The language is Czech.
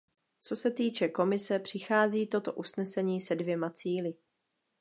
Co se týče Komise, přichází toto usnesení se dvěma cíli.